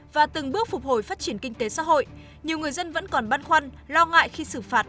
và từng bước phục hồi phát triển kinh tế xã hội nhiều người dân vẫn còn băn khoăn lo ngại khi xử phạt